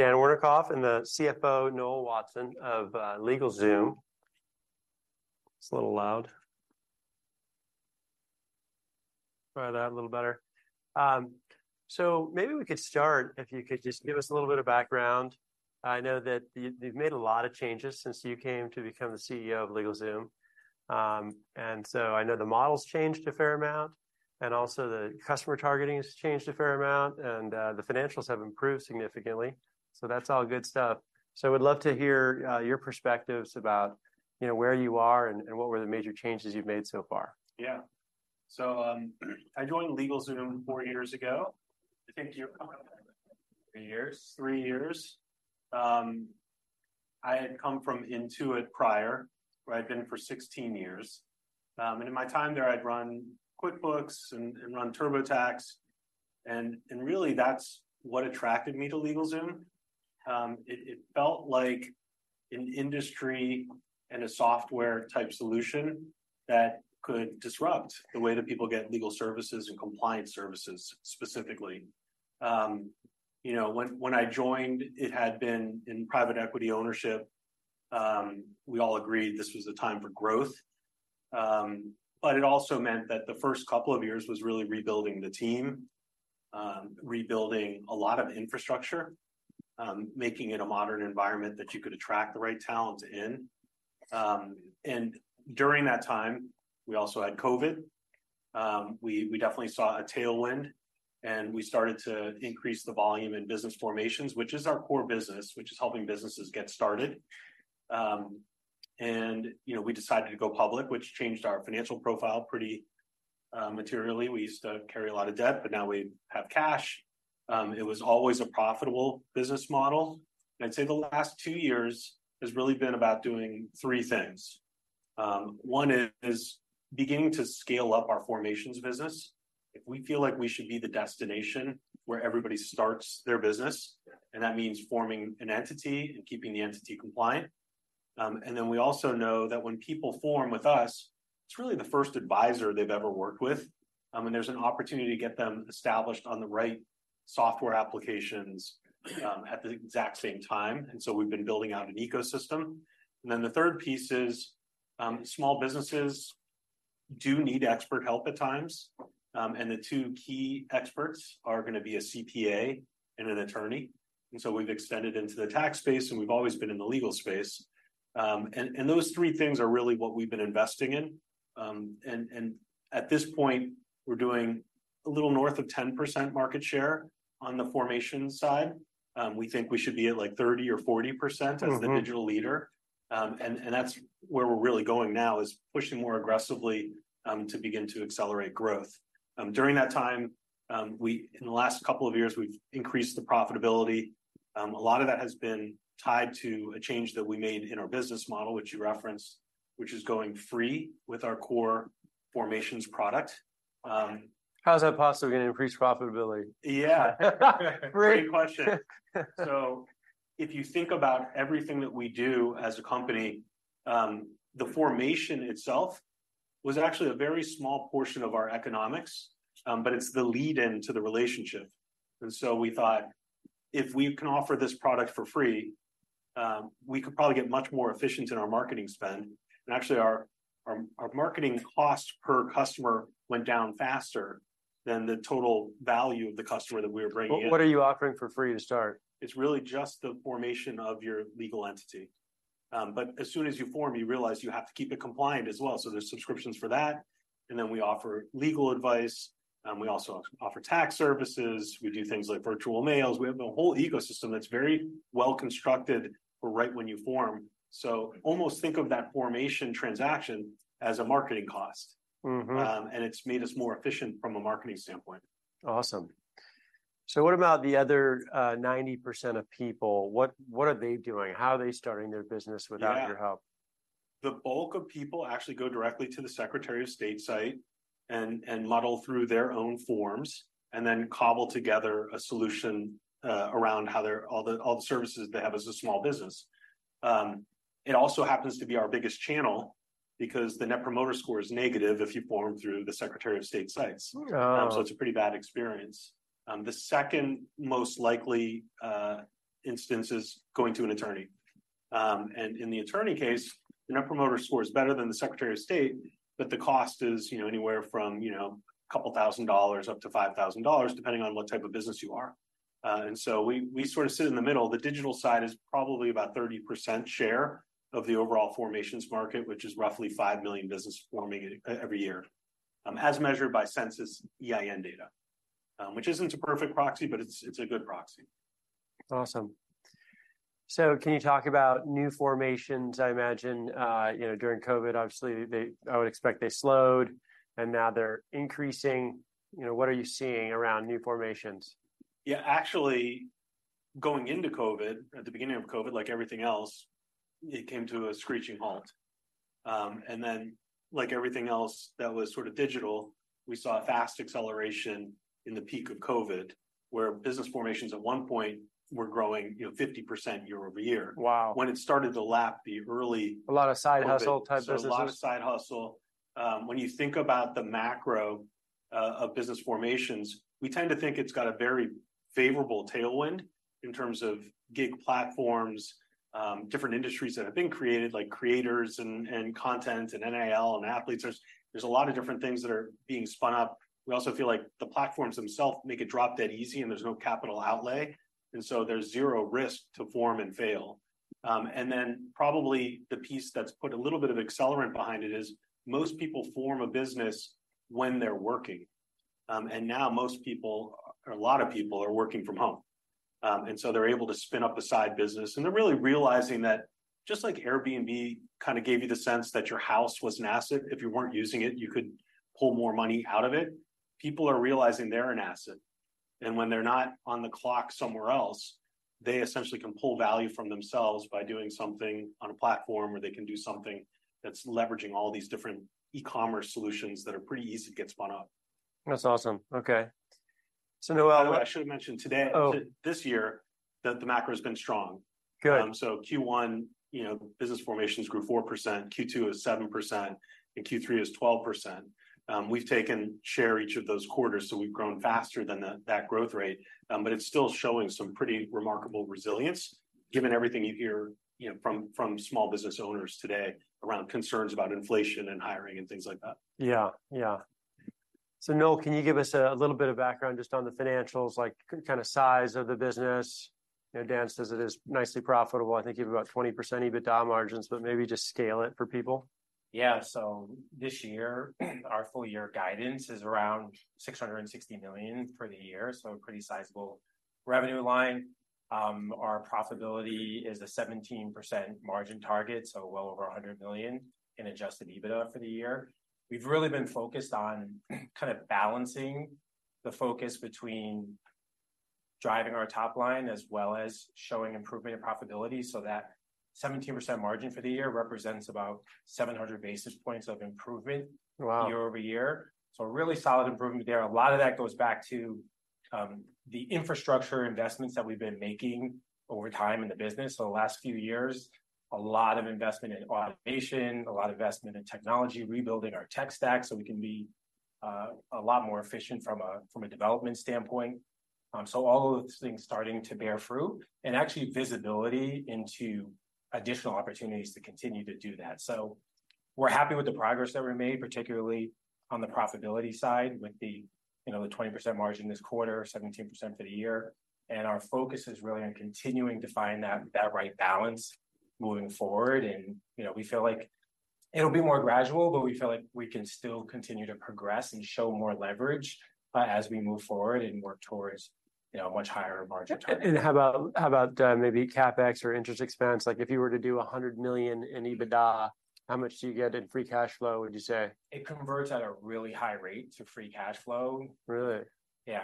Dan Wernikoff and the CFO, Noel Watson of LegalZoom. It's a little loud. Try that a little better. So maybe we could start, if you could just give us a little bit of background. I know that you, you've made a lot of changes since you came to become the CEO of LegalZoom. And so I know the model's changed a fair amount, and also the customer targeting has changed a fair amount, and the financials have improved significantly. So that's all good stuff. So we'd love to hear your perspectives about, you know, where you are and what were the major changes you've made so far? Yeah. So, I joined LegalZoom 3 years ago. I had come from Intuit prior, where I'd been for 16 years. And in my time there, I'd run QuickBooks and run TurboTax, and really, that's what attracted me to LegalZoom. It felt like an industry and a software-type solution that could disrupt the way that people get legal services and compliance services, specifically. You know, when I joined, it had been in private equity ownership. We all agreed this was a time for growth, but it also meant that the first couple of years was really rebuilding the team, rebuilding a lot of infrastructure, making it a modern environment that you could attract the right talent in. And during that time, we also had COVID. We definitely saw a tailwind, and we started to increase the volume in business formations, which is our core business, which is helping businesses get started. And, you know, we decided to go public, which changed our financial profile pretty materially. We used to carry a lot of debt, but now we have cash. It was always a profitable business model, and I'd say the last two years has really been about doing three things. One is beginning to scale up our formations business. We feel like we should be the destination where everybody starts their business, and that means forming an entity and keeping the entity compliant. And then we also know that when people form with us, it's really the first advisor they've ever worked with, and there's an opportunity to get them established on the right software applications, at the exact same time, and so we've been building out an ecosystem. And then the third piece is, small businesses do need expert help at times, and the two key experts are gonna be a CPA and an attorney. And so we've extended into the tax space, and we've always been in the legal space. And those three things are really what we've been investing in. And at this point, we're doing a little north of 10% market share on the formation side. We think we should be at, like, 30 or 40%- Mm-hmm... as the digital leader. And that's where we're really going now, is pushing more aggressively to begin to accelerate growth. During that time, in the last couple of years, we've increased the profitability. A lot of that has been tied to a change that we made in our business model, which you referenced, which is going free with our core formations product. How is that possibly gonna increase profitability? Yeah. Great question. So if you think about everything that we do as a company, the formation itself was actually a very small portion of our economics, but it's the lead-in to the relationship. And so we thought, if we can offer this product for free, we could probably get much more efficient in our marketing spend. And actually, our marketing cost per customer went down faster than the total value of the customer that we were bringing in. What, what are you offering for free to start? It's really just the formation of your legal entity. But as soon as you form, you realize you have to keep it compliant as well, so there's subscriptions for that, and then we offer legal advice, we also offer tax services, we do things like virtual mails. We have a whole ecosystem that's very well-constructed for right when you form. So almost think of that formation transaction as a marketing cost. Mm-hmm. It's made us more efficient from a marketing standpoint. Awesome. So what about the other 90% of people? What, what are they doing? How are they starting their business- Yeah... without your help? The bulk of people actually go directly to the Secretary of State site and muddle through their own forms, and then cobble together a solution around how they're all the, all the services they have as a small business. It also happens to be our biggest channel because the Net Promoter Score is negative if you form through the Secretary of State sites. Oh. So it's a pretty bad experience. The second most likely instance is going to an attorney. And in the attorney case, the Net Promoter Score is better than the Secretary of State, but the cost is, you know, anywhere from, you know, couple a thousand dollars up to $5,000, depending on what type of business you are. And so we, we sort of sit in the middle. The digital side is probably about 30% share of the overall formations market, which is roughly 5 million businesses forming every year, as measured by Census EIN Data, which isn't a perfect proxy, but it's, it's a good proxy. Awesome. So can you talk about new formations? I imagine, you know, during COVID, obviously, I would expect they slowed, and now they're increasing. You know, what are you seeing around new formations? Yeah, actually, going into COVID, at the beginning of COVID, like everything else, it came to a screeching halt. And then, like everything else that was sort of digital, we saw a fast acceleration in the peak of COVID, where business formations at one point were growing, you know, 50% year-over-year. Wow! When it started to lap the early- A lot of side hustle-type businesses? A lot of side hustle, when you think about the macro of business formations, we tend to think it's got a very favorable tailwind in terms of gig platforms, different industries that have been created, like creators and, and content, and NIL, and athletes. There's a lot of different things that are being spun up. We also feel like the platforms themselves make it drop-dead easy, and there's no capital outlay, and so there's zero risk to form and fail. And then probably the piece that's put a little bit of accelerant behind it is, most people form a business when they're working. And now most people, or a lot of people are working from home. And so they're able to spin up a side business, and they're really realizing that just like Airbnb kind of gave you the sense that your house was an asset, if you weren't using it, you could pull more money out of it. People are realizing they're an asset. And when they're not on the clock somewhere else, they essentially can pull value from themselves by doing something on a platform, or they can do something that's leveraging all these different e-commerce solutions that are pretty easy to get spun up. That's awesome. Okay. So now- I should've mentioned today- Oh. This year, that the macro has been strong. Good. So, Q1, you know, business formations grew 4%, Q2 is 7%, and Q3 is 12%. We've taken share each of those quarters, so we've grown faster than the, that growth rate. But it's still showing some pretty remarkable resilience, given everything you hear, you know, from, from small business owners today around concerns about inflation and hiring and things like that. Yeah. Yeah. So Noel, can you give us a little bit of background just on the financials, like, kind of size of the business? You know, Dan says it is nicely profitable. I think you have about 20% EBITDA margins, but maybe just scale it for people. Yeah. So this year, our full year guidance is around $660 million for the year, so a pretty sizable revenue line. Our profitability is a 17% margin target, so well over $100 million in Adjusted EBITDA for the year. We've really been focused on kind of balancing the focus between driving our top line, as well as showing improvement in profitability, so that 17% margin for the year represents about 700 basis points of improvement- Wow!... year-over-year. So a really solid improvement there. A lot of that goes back to the infrastructure investments that we've been making over time in the business. So the last few years, a lot of investment in automation, a lot of investment in technology, rebuilding our tech stack, so we can be a lot more efficient from a development standpoint. So all of those things starting to bear fruit, and actually, visibility into additional opportunities to continue to do that. So we're happy with the progress that we made, particularly on the profitability side, with the, you know, the 20% margin this quarter, 17% for the year. And our focus is really on continuing to find that right balance moving forward. You know, we feel like it'll be more gradual, but we feel like we can still continue to progress and show more leverage as we move forward and work towards, you know, a much higher margin target. How about maybe CapEx or interest expense? Like, if you were to do $100 million in EBITDA, how much do you get in free cash flow, would you say? It converts at a really high rate to free cash flow. Really? Yeah. You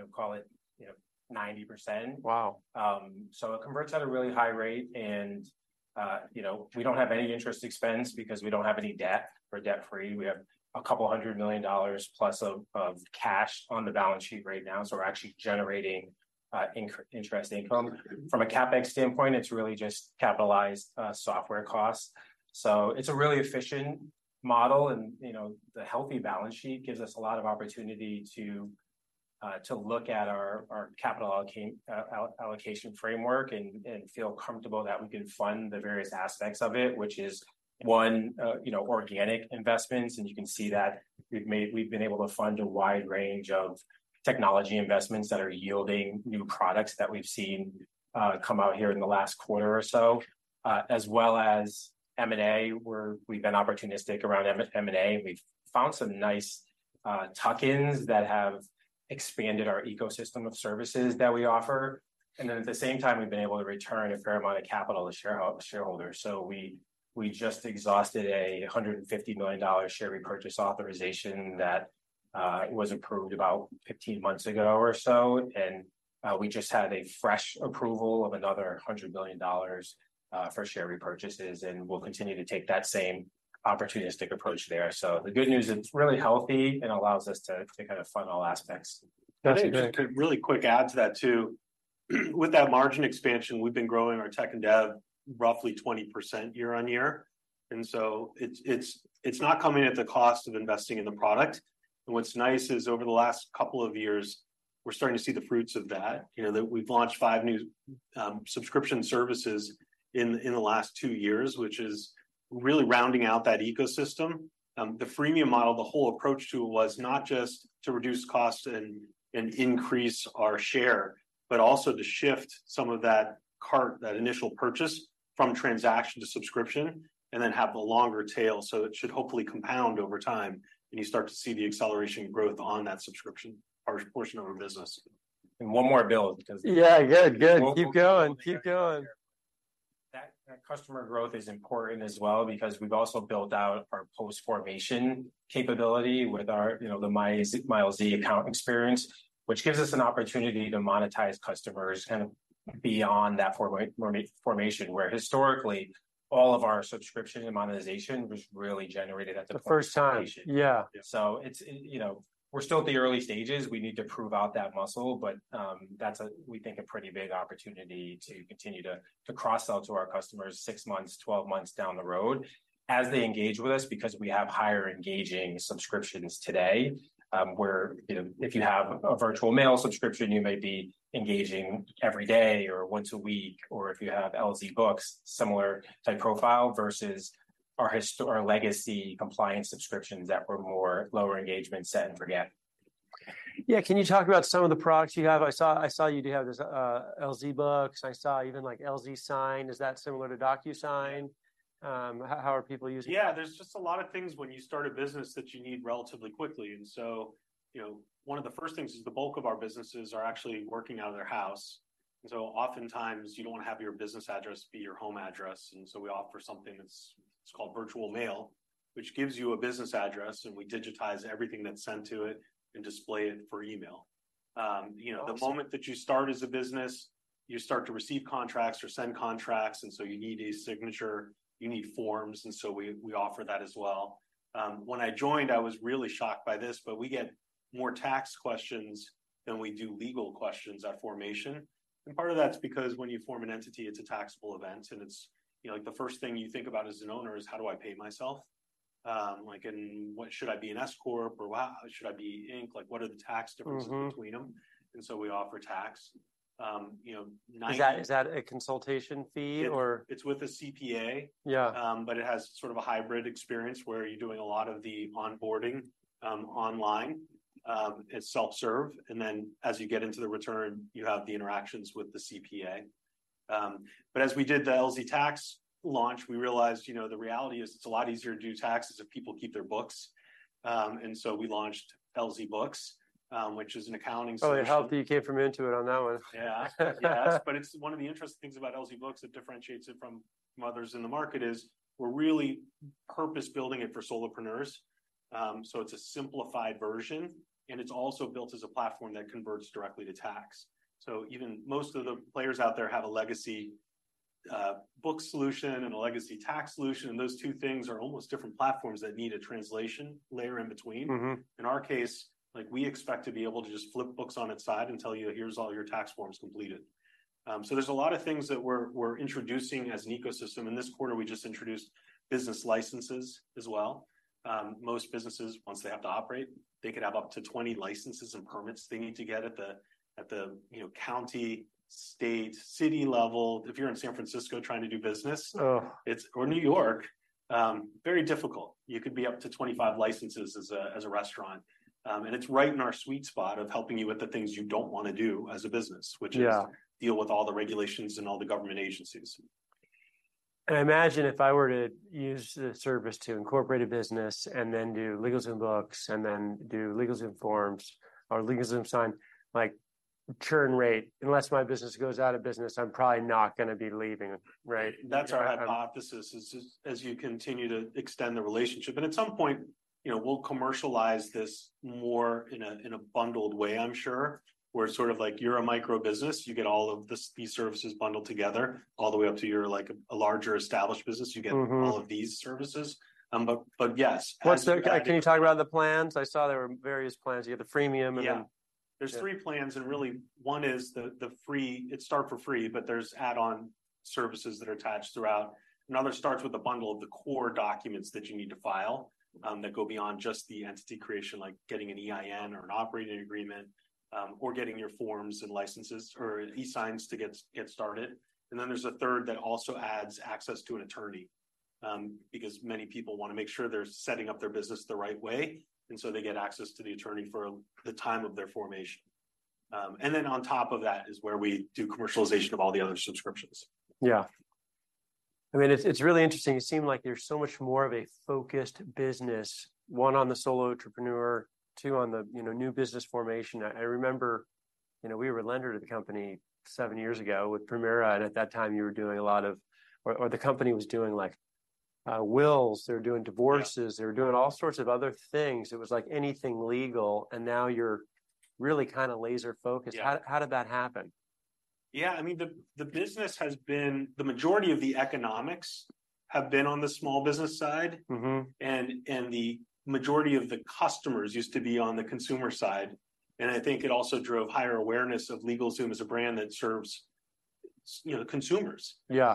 know, call it, you know, 90%. Wow! So it converts at a really high rate and, you know, we don't have any interest expense because we don't have any debt. We're debt-free. We have a couple hundred million dollars plus of cash on the balance sheet right now, so we're actually generating interest income. From a CapEx standpoint, it's really just capitalized software costs. So it's a really efficient model and, you know, the healthy balance sheet gives us a lot of opportunity to look at our capital allocation framework and feel comfortable that we can fund the various aspects of it, which is one, you know, organic investments, and you can see that we've made... We've been able to fund a wide range of technology investments that are yielding new products that we've seen come out here in the last quarter or so, as well as M&A, where we've been opportunistic around M&A. We've found some nice tuck-ins that have expanded our ecosystem of services that we offer, and then at the same time, we've been able to return a fair amount of capital to shareholders. So we just exhausted a $150 million share repurchase authorization that was approved about 15 months ago or so, and we just had a fresh approval of another $100 million for share repurchases, and we'll continue to take that same opportunistic approach there. So the good news, it's really healthy and allows us to kind of fund all aspects. That's great. To really quick add to that too, with that margin expansion, we've been growing our tech and dev roughly 20% year-on-year, and so it's not coming at the cost of investing in the product. What's nice is over the last couple of years, we're starting to see the fruits of that. You know, that we've launched five new subscription services in the last two years, which is really rounding out that ecosystem. The freemium model, the whole approach to it was not just to reduce costs and increase our share, but also to shift some of that cart, that initial purchase, from transaction to subscription and then have the longer tail. It should hopefully compound over time, and you start to see the acceleration growth on that subscription portion of our business. One more bill, because- Yeah, good, good. Keep going, keep going. That customer growth is important as well because we've also built out our post-formation capability with our, you know, the My LZ account experience, which gives us an opportunity to monetize customers kind of beyond that formation, where historically, all of our subscription and monetization was really generated at the- The first time... formation. Yeah. So it's, you know, we're still at the early stages. We need to prove out that muscle, but that's a, we think, a pretty big opportunity to continue to cross-sell to our customers six months, 12 months down the road as they engage with us, because we have higher engaging subscriptions today. Where, you know, if you have a virtual mail subscription, you may be engaging every day or once a week, or if you have LZ Books, similar type profile versus-... our legacy compliance subscriptions that were more lower engagement, set and forget. Yeah, can you talk about some of the products you have? I saw you have this LZ Books. I saw even, like, LZ Sign. Is that similar to DocuSign? How are people using it? Yeah, there's just a lot of things when you start a business that you need relatively quickly. And so, you know, one of the first things is the bulk of our businesses are actually working out of their house. So oftentimes, you don't want to have your business address be your home address, and so we offer something that's, it's called virtual mail, which gives you a business address, and we digitize everything that's sent to it and display it for email. I see. The moment that you start as a business, you start to receive contracts or send contracts, and so you need a signature, you need forms, and so we offer that as well. When I joined, I was really shocked by this, but we get more tax questions than we do legal questions at formation. And part of that's because when you form an entity, it's a taxable event, and it's, you know, like, the first thing you think about as an owner is: how do I pay myself? Like, and what should I be an S Corp, or wow, should I be Inc.? Like, what are the tax differences? Mm-hmm... between them? And so we offer tax, you know, nine- Is that, is that a consultation fee or? It's with a CPA. Yeah. But it has sort of a hybrid experience, where you're doing a lot of the onboarding online. It's self-serve, and then as you get into the return, you have the interactions with the CPA. But as we did the LZ Tax launch, we realized, you know, the reality is it's a lot easier to do taxes if people keep their books. And so we launched LZ Books, which is an accounting solution. Oh, it helped. You came from Intuit on that one. Yeah. Yes, but it's one of the interesting things about LZ Books that differentiates it from others in the market is we're really purpose-building it for solopreneurs. So it's a simplified version, and it's also built as a platform that converts directly to tax. So even most of the players out there have a legacy, books solution and a legacy tax solution, and those two things are almost different platforms that need a translation layer in between. Mm-hmm. In our case, like, we expect to be able to just flip books on its side and tell you, "Here's all your tax forms completed." So there's a lot of things that we're introducing as an ecosystem. In this quarter, we just introduced business licenses as well. Most businesses, once they have to operate, they could have up to 20 licenses and permits they need to get at the, you know, county, state, city level. If you're in San Francisco trying to do business- Oh!... it's or New York, very difficult. You could be up to 25 licenses as a restaurant. And it's right in our sweet spot of helping you with the things you don't want to do as a business- Yeah... which is deal with all the regulations and all the government agencies. I imagine if I were to use the service to incorporate a business and then do LegalZoom books, and then do LegalZoom forms or LegalZoom sign, like, churn rate, unless my business goes out of business, I'm probably not gonna be leaving, right? That's our hypothesis, as you continue to extend the relationship... And at some point, you know, we'll commercialize this more in a bundled way, I'm sure. We're sort of like you're a micro business; you get all of these services bundled together, all the way up to, like, a larger established business- Mm-hmm... you get all of these services. But yes, as you- Can you talk about the plans? I saw there were various plans. You had the freemium, and then- Yeah. There's three plans, and really, one is the free; it starts for free, but there's add-on services that are attached throughout. Another starts with a bundle of the core documents that you need to file that go beyond just the entity creation, like getting an EIN or an operating agreement, or getting your forms and licenses or e-signs to get started. And then, there's a third that also adds access to an attorney because many people want to make sure they're setting up their business the right way, and so they get access to the attorney for the time of their formation. And then on top of that is where we do commercialization of all the other subscriptions. Yeah. I mean, it's, it's really interesting. It seemed like you're so much more of a focused business, one on the solo entrepreneur, two on the, you know, new business formation. I, I remember, you know, we were a lender to the company seven years ago with Primera, and at that time, you were doing a lot of... Or, the company was doing, like, wills, they were doing divorces- Yeah... they were doing all sorts of other things. It was like anything legal, and now you're really kind of laser focused. Yeah. How did that happen? Yeah, I mean, the business has been—the majority of the economics have been on the small business side- Mm-hmm... and the majority of the customers used to be on the consumer side. I think it also drove higher awareness of LegalZoom as a brand that serves, you know, the consumers. Yeah.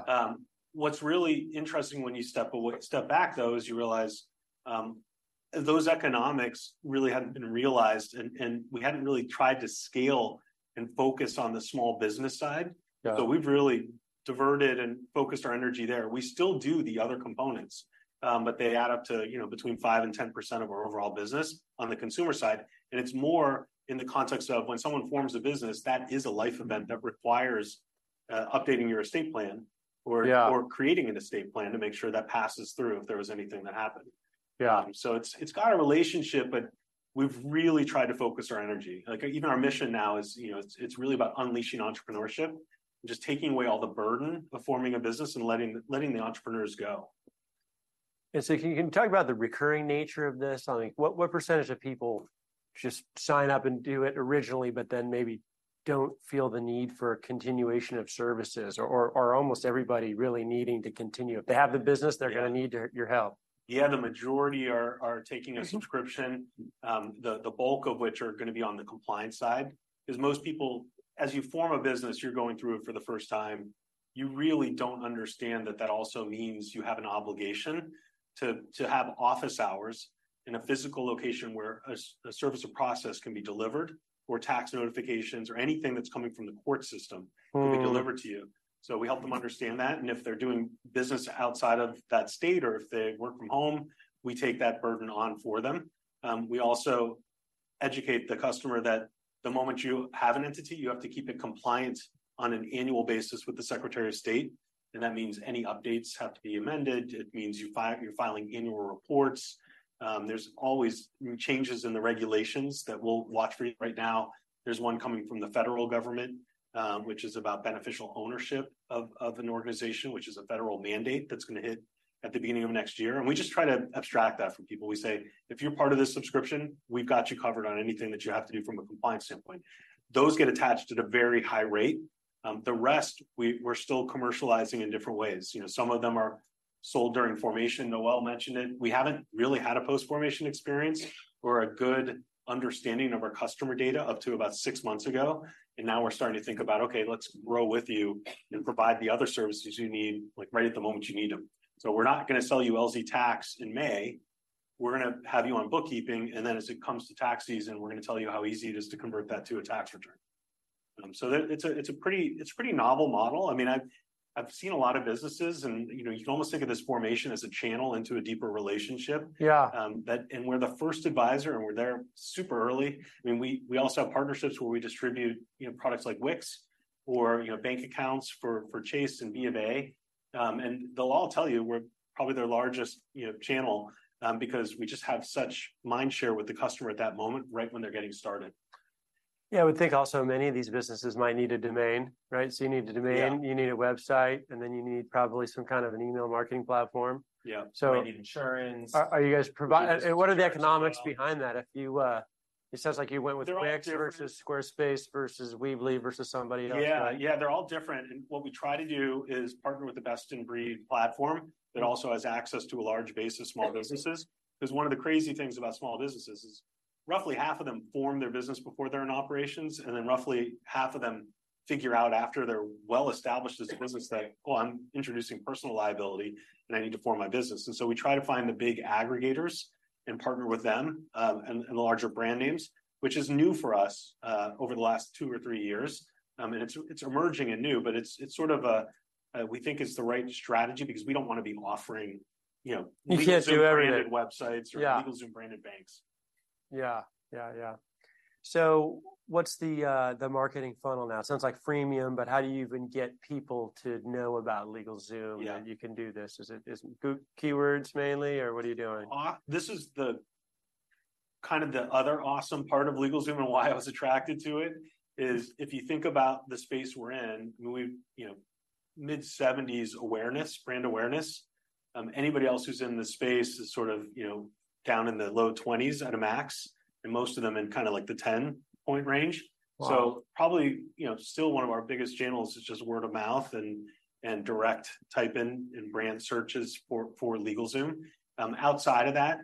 What's really interesting when you step back, though, is you realize those economics really hadn't been realized, and we hadn't really tried to scale and focus on the small business side. Yeah. So we've really diverted and focused our energy there. We still do the other components, but they add up to, you know, between 5% and 10% of our overall business on the consumer side, and it's more in the context of when someone forms a business, that is a life event that requires updating your estate plan or- Yeah... or creating an estate plan to make sure that passes through if there was anything that happened. Yeah. So it's got a relationship, but we've really tried to focus our energy. Like, even our mission now is, you know, it's really about unleashing entrepreneurship and just taking away all the burden of forming a business and letting the entrepreneurs go. And so can you talk about the recurring nature of this? I mean, what, what percentage of people just sign up and do it originally, but then maybe don't feel the need for a continuation of services, or, or, almost everybody really needing to continue? If they have the business, they're gonna need your, your help. Yeah, the majority are taking a subscription- Mm-hmm... the bulk of which are gonna be on the compliance side. 'Cause most people, as you form a business, you're going through it for the first time, you really don't understand that that also means you have an obligation to have office hours in a physical location where a service of process can be delivered, or tax notifications, or anything that's coming from the court system. Mm... can be delivered to you. So we help them understand that, and if they're doing business outside of that state or if they work from home, we take that burden on for them. We also educate the customer that the moment you have an entity, you have to keep it compliant on an annual basis with the Secretary of State, and that means any updates have to be amended. It means you file—you're filing annual reports. There's always changes in the regulations that we'll watch for. Right now, there's one coming from the federal government, which is about beneficial ownership of an organization, which is a federal mandate that's gonna hit at the beginning of next year. And we just try to abstract that from people. We say, "If you're part of this subscription, we've got you covered on anything that you have to do from a compliance standpoint." Those get attached at a very high rate. The rest, we're still commercializing in different ways. You know, some of them are sold during formation. Noel mentioned it. We haven't really had a post-formation experience or a good understanding of our customer data up to about six months ago, and now we're starting to think about, okay, let's grow with you and provide the other services you need, like, right at the moment you need them. So we're not gonna sell you LZ Tax in May. We're gonna have you on bookkeeping, and then, as it comes to tax season, we're gonna tell you how easy it is to convert that to a tax return. So it's a pretty novel model. I mean, I've seen a lot of businesses and, you know, you can almost think of this formation as a channel into a deeper relationship. Yeah. We're the first advisor, and we're there super early. I mean, we also have partnerships where we distribute, you know, products like Wix or, you know, bank accounts for Chase and B of A. And they'll all tell you, we're probably their largest, you know, channel, because we just have such mind share with the customer at that moment, right when they're getting started. Yeah, I would think also many of these businesses might need a domain, right? So you need a domain- Yeah. - You need a website, and then you need probably some kind of an email marketing platform. Yeah. So- We need insurance. Are you guys providing... And what are the economics behind that? If you, it sounds like you went with Wix- They're all different.... versus Squarespace, versus Weebly, versus somebody else. Yeah, yeah, they're all different, and what we try to do is partner with the best-in-breed platform that also has access to a large base of small businesses. 'Cause one of the crazy things about small businesses is roughly half of them form their business before they're in operations, and then roughly half of them figure out after they're well established as a business that, oh, I'm introducing personal liability, and I need to form my business. And so we try to find the big aggregators and partner with them, and the larger brand names, which is new for us, over the last two or three years. And it's emerging and new, but it's sort of a, we think is the right strategy because we don't want to be offering, you know- You can't do everything.... LegalZoom-branded websites- Yeah... or LegalZoom-branded banks. Yeah. Yeah, yeah. So what's the marketing funnel now? Sounds like freemium, but how do you even get people to know about LegalZoom? Yeah... and you can do this? Is it, is Google keywords mainly, or what are you doing? This is the kind of the other awesome part of LegalZoom and why I was attracted to it, is if you think about the space we're in, we've, you know, mid-70s awareness, brand awareness. Anybody else who's in this space is sort of, you know, down in the low 20s at a max, and most of them in kinda like the 10-point range. Wow! So probably, you know, still one of our biggest channels is just word of mouth, and direct type-in, and brand searches for LegalZoom. Outside of that,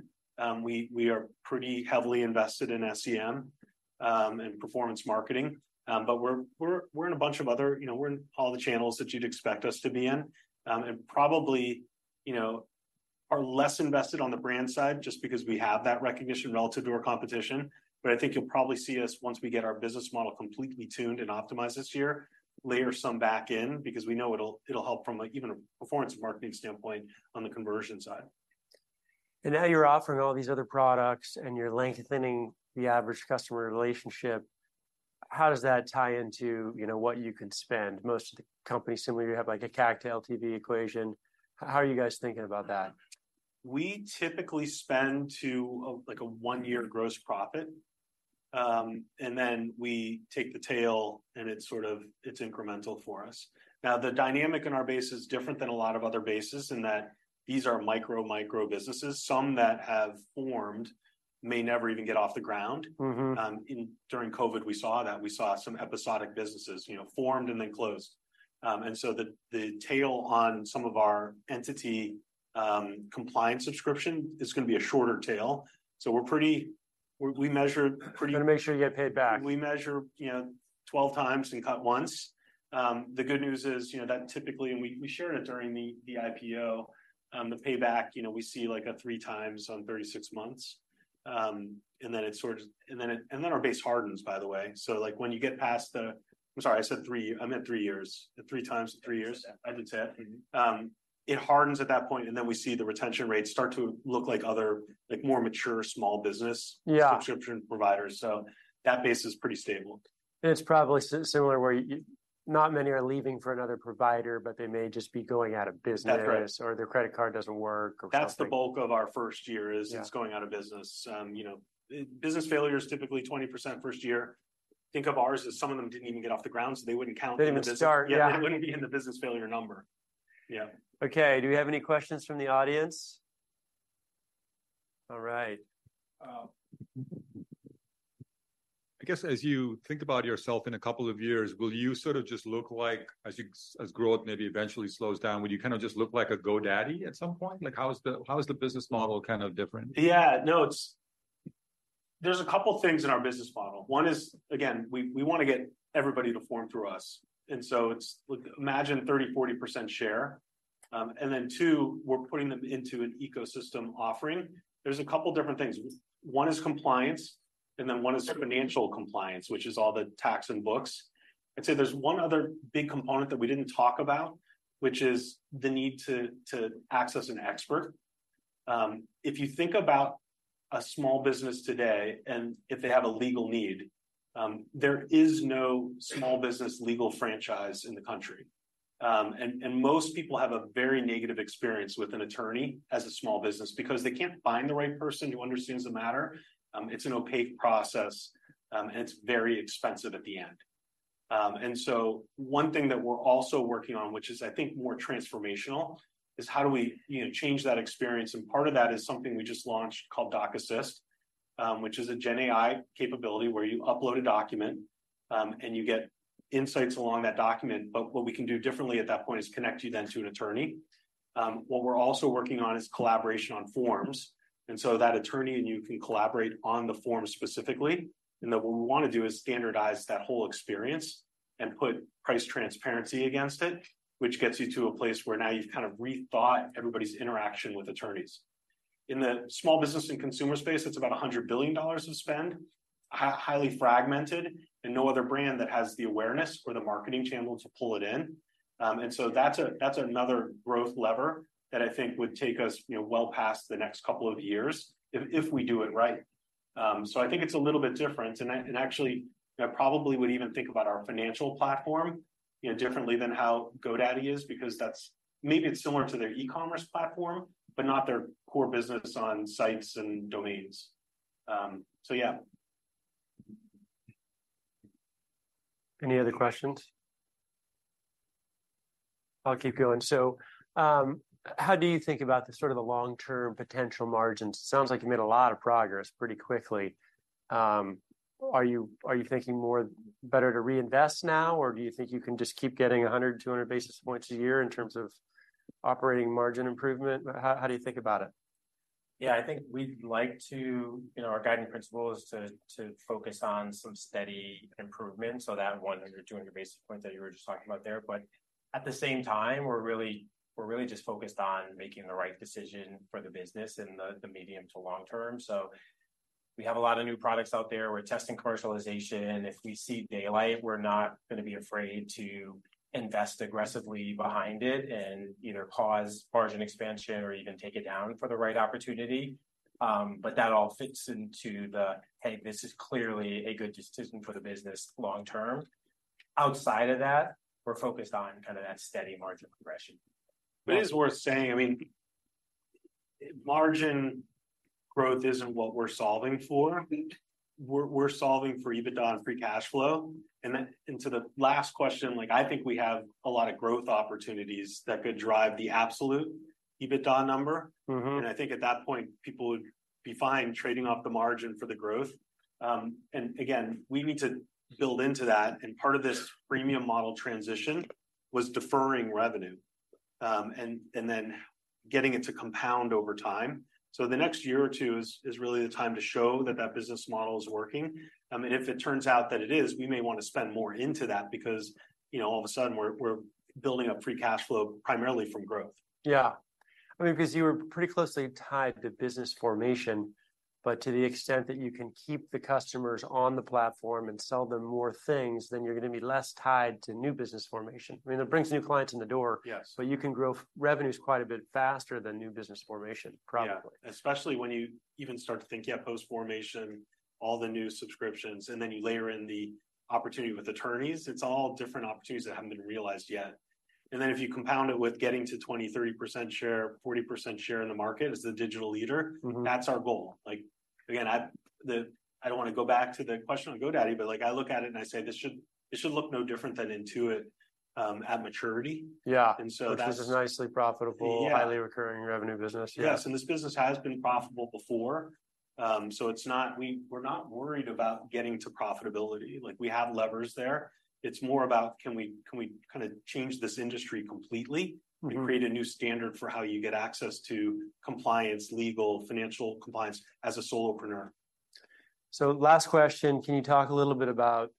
we are pretty heavily invested in SEM, and performance marketing. But we're in a bunch of other... You know, we're in all the channels that you'd expect us to be in, and probably, you know, are less invested on the brand side just because we have that recognition relative to our competition. But I think you'll probably see us, once we get our business model completely tuned and optimized this year, layer some back in because we know it'll help from, like, even a performance marketing standpoint on the conversion side. Now you're offering all these other products, and you're lengthening the average customer relationship. How does that tie into, you know, what you can spend? Most of the companies similar, you have, like, a CAC to LTV equation. How are you guys thinking about that? We typically spend to, like, a one-year gross profit. And then we take the tail, and it's sort of, it's incremental for us. Now, the dynamic in our base is different than a lot of other bases in that these are micro, micro businesses. Some that have formed may never even get off the ground. Mm-hmm. During COVID, we saw that. We saw some episodic businesses, you know, formed and then closed. And so the tail on some of our entity compliance subscription is gonna be a shorter tail. So we're pretty - we measure pretty - You're gonna make sure you get paid back. We measure, you know, 12 times and cut once. The good news is, you know, that typically, and we shared it during the IPO, the payback, you know, we see, like, a 3 times on 36 months. And then it sort of... And then our base hardens, by the way. So, like, when you get past the... I'm sorry, I said three. I meant three years. 3 times in three years. That's it. I did say it. It hardens at that point, and then we see the retention rates start to look like other, like, more mature small business- Yeah... subscription providers, so that base is pretty stable. It's probably similar, where not many are leaving for another provider, but they may just be going out of business. That's right... or their credit card doesn't work, or something. That's the bulk of our first year, is- Yeah... is going out of business. You know, business failure is typically 20% first year. Think of ours, as some of them didn't even get off the ground, so they wouldn't count- They didn't start, yeah. They wouldn't be in the business failure number. Yeah. Okay, do we have any questions from the audience? All right. I guess, as you think about yourself in a couple of years, will you sort of just look like, as growth maybe eventually slows down, will you kind of just look like a GoDaddy at some point? Like, how is the business model kind of different? Yeah. No, it's, there's a couple things in our business model. One is, again, we, we wanna get everybody to form through us, and so it's... imagine 30%-40% share. And then, two, we're putting them into an ecosystem offering. There's a couple different things. One is compliance, and then one is- Sure... financial compliance, which is all the tax and books. I'd say there's one other big component that we didn't talk about, which is the need to access an expert. If you think about a small business today, and if they have a legal need, there is no small business legal franchise in the country. And most people have a very negative experience with an attorney as a small business because they can't find the right person who understands the matter. It's an opaque process, and it's very expensive at the end. And so one thing that we're also working on, which is, I think, more transformational, is how do we, you know, change that experience? And part of that is something we just launched called Doc Assist, which is a gen AI capability, where you upload a document, and you get insights along that document. But what we can do differently at that point is connect you then to an attorney. What we're also working on is collaboration on forms, and so that attorney and you can collaborate on the form specifically. And then what we want to do is standardize that whole experience and put price transparency against it, which gets you to a place where now you've kind of rethought everybody's interaction with attorneys. In the small business and consumer space, it's about $100 billion of spend, highly fragmented, and no other brand that has the awareness or the marketing channel to pull it in. And so that's another growth lever that I think would take us, you know, well past the next couple of years if we do it right. So I think it's a little bit different, and actually, I probably would even think about our financial platform, you know, differently than how GoDaddy is, because that's maybe it's similar to their e-commerce platform, but not their core business on sites and domains. So yeah. Any other questions? I'll keep going. So, how do you think about the sort of the long-term potential margins? Sounds like you made a lot of progress pretty quickly. Are you, are you thinking more better to reinvest now, or do you think you can just keep getting 100-200 basis points a year in terms of operating margin improvement? How, how do you think about it? Yeah, I think we'd like to. You know, our guiding principle is to focus on some steady improvement, so that 100-200 basis point that you were just talking about there. But at the same time, we're really just focused on making the right decision for the business in the medium to long term. So we have a lot of new products out there. We're testing commercialization, and if we see daylight, we're not going to be afraid to invest aggressively behind it and either pause margin expansion or even take it down for the right opportunity. But that all fits into the, "Hey, this is clearly a good decision for the business long term." Outside of that, we're focused on kind of that steady margin progression. It is worth saying, I mean, margin growth isn't what we're solving for. Mm-hmm. We're solving for EBITDA and free cash flow. And then to the last question, like, I think we have a lot of growth opportunities that could drive the absolute EBITDA number. Mm-hmm. I think at that point, people would be fine trading off the margin for the growth. And again, we need to build into that, and part of this premium model transition was deferring revenue, and then getting it to compound over time. So the next year or two is really the time to show that that business model is working. And if it turns out that it is, we may want to spend more into that because, you know, all of a sudden, we're building up free cash flow primarily from growth. Yeah. I mean, because you were pretty closely tied to business formation, but to the extent that you can keep the customers on the platform and sell them more things, then you're going to be less tied to new business formation. I mean, it brings new clients in the door- Yes... but you can grow revenues quite a bit faster than new business formation, probably. Yeah, especially when you even start to think, yeah, post-formation, all the new subscriptions, and then you layer in the opportunity with attorneys. It's all different opportunities that haven't been realized yet. And then, if you compound it with getting to 20, 30% share, 40% share in the market as the digital leader- Mm-hmm. -that's our goal. Like, again, I don't want to go back to the question on GoDaddy, but like, I look at it and I say, "This should, this should look no different than Intuit at maturity. Yeah. That's- Which is a nicely profitable- Yeah... highly recurring revenue business. Yeah. Yes, and this business has been profitable before. So we're not worried about getting to profitability. Like, we have levers there. It's more about, can we kind of change this industry completely- Mm-hmm... and create a new standard for how you get access to compliance, legal, financial compliance as a solopreneur? So last question: Can you talk a little bit about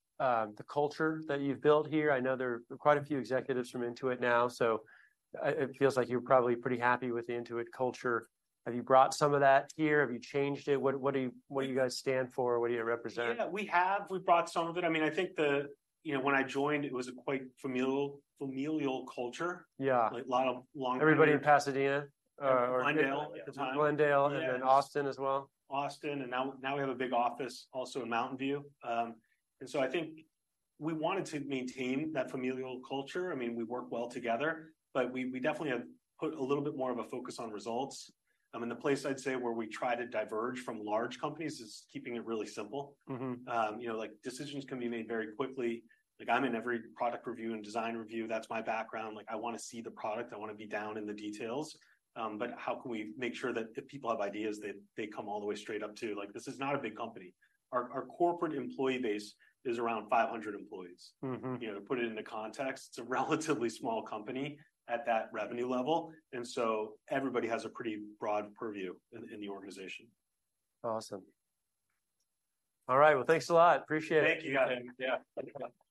the culture that you've built here? I know there are quite a few executives from Intuit now, so it feels like you're probably pretty happy with the Intuit culture. Have you brought some of that here? Have you changed it? What do you guys stand for? What do you represent? Yeah, we have. We've brought some of it. I mean, I think the, you know, when I joined, it was a quite familial culture. Yeah. Like, a lot of long- Everybody in Pasadena, Glendale. Glendale- Yeah... and then Austin as well. Austin, and now we have a big office also in Mountain View. And so I think we wanted to maintain that familial culture. I mean, we work well together, but we definitely have put a little bit more of a focus on results. And the place I'd say where we try to diverge from large companies is keeping it really simple. Mm-hmm. You know, like, decisions can be made very quickly. Like, I'm in every product review and design review. That's my background. Like, I want to see the product. I want to be down in the details. But how can we make sure that if people have ideas, they come all the way straight up to... Like, this is not a big company. Our corporate employee base is around 500 employees. Mm-hmm. You know, to put it into context, it's a relatively small company at that revenue level, and so everybody has a pretty broad purview in the organization. Awesome. All right, well, thanks a lot. Appreciate it. Thank you, guys. Yeah.